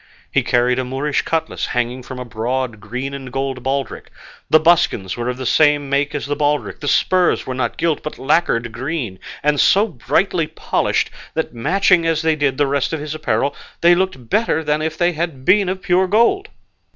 He carried a Moorish cutlass hanging from a broad green and gold baldric; the buskins were of the same make as the baldric; the spurs were not gilt, but lacquered green, and so brightly polished that, matching as they did the rest of his apparel, they looked better than if they had been of pure gold.